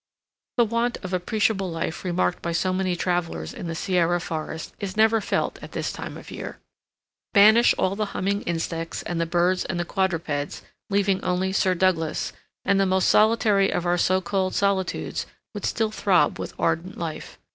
The want of appreciable life remarked by so many travelers in the Sierra forests is never felt at this time of year. Banish all the humming insects and the birds and quadrupeds, leaving only Sir Douglas, and the most solitary of our so called solitudes would still throb with ardent life.